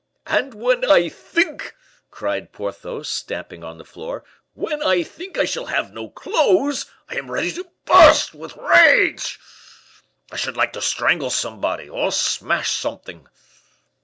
"And when I think," cried Porthos, stamping on the floor, "when I think I shall have no clothes, I am ready to burst with rage! I should like to strangle somebody or smash something!"